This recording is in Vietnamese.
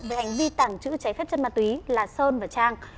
về hành vi tảng trữ cháy phép chất ma túy là sơn và trang